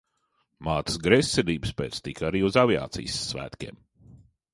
Mātes greizsirdības pēc tiku arī uz aviācijas svētkiem.